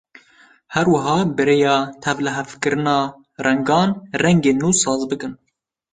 Her wiha bi rêya tevlihevkirina rengan, rengên nû saz bikin.